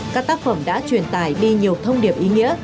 các tác phẩm đã truyền tải đi nhiều thông điệp ý nghĩa